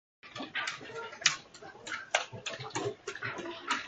この古風な酒瓢は故郷のものだ。